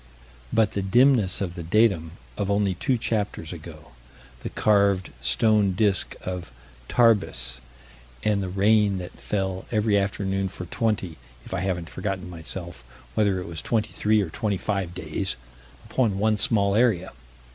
But the dimness of the datum of only two chapters ago. The carved stone disk of Tarbes, and the rain that fell every afternoon for twenty if I haven't forgotten, myself, whether it was twenty three or twenty five days! upon one small area.